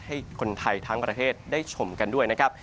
ให้คนไทยทั้งประเทศได้ชมกันด้วยนะครับ